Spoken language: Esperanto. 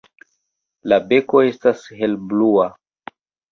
La beko estas helblua.